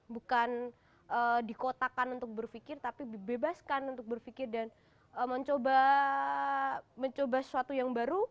bukan dikotakan untuk berpikir tapi dibebaskan untuk berpikir dan mencoba sesuatu yang baru